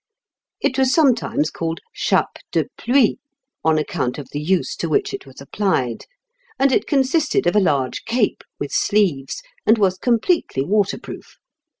It was sometimes called chape de pluie, on account of the use to which it was applied, and it consisted of a large cape with sleeves, and was completely waterproof.